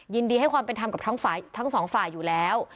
ยินดีให้ความเป็นทำกับทั้งฝ่ายทั้งสองฝ่ายอยู่แล้ว